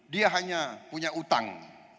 dia hanya punya utang